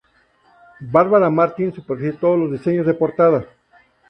Barbara Martin supervisó todos los diseños de portada.